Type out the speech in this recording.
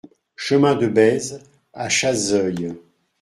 Chemin de Bèze à Chazeuil